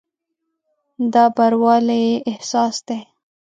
دا بروالي احساس دی.